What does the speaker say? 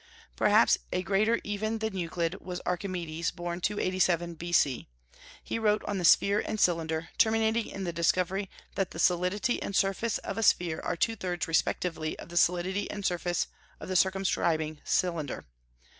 Perhaps a greater even than Euclid was Archimedes, born 287 B.C. He wrote on the sphere and cylinder, terminating in the discovery that the solidity and surface of a sphere are two thirds respectively of the solidity and surface of the circumscribing cylinder.